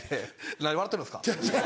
何笑ってるんですか？